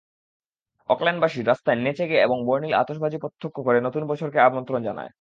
অকল্যান্ডবাসী রাস্তায় নেচে-গেয়ে এবং বর্ণিল আতশবাজি প্রত্যক্ষ করে নতুন বছরকে আমন্ত্রণ জানায়।